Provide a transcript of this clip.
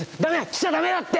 来ちゃ駄目だって。